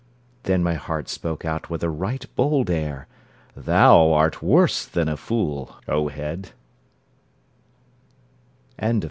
Then my heart spoke out with a right bold air: "Thou art worse than a fool, O head!"